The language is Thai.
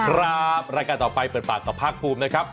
รายการต่อไปเปิดปากกับภาคภูมินะครับ